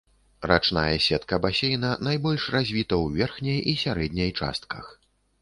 Рачная сетка басейна найбольш развіта ў верхняй і сярэдняй частках.